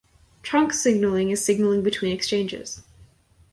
Trunk signaling is signaling between exchanges.